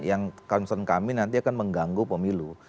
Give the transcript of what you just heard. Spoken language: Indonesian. yang concern kami nanti akan mengganggu pemilu